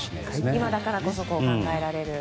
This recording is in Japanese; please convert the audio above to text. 今だからこそ考えられる。